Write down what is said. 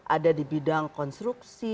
ada di bidang konstruksi